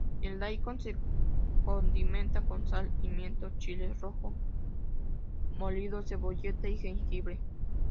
El "daikon" se condimenta con sal, pimiento chile rojo molido, cebolleta y jengibre.